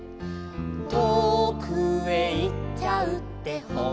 「とおくへ行っちゃうってほんとかな」